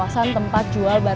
saya mau jualan